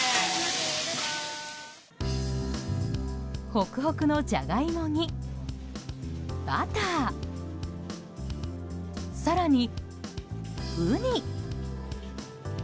ほくほくのジャガイモにバター更に、ウニ！